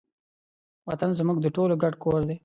وطن زموږ د ټولو ګډ کور دی.